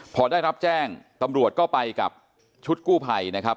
พอได้รับแจ้งตำรวจก็ไปกับชุดกู้ภัยนะครับ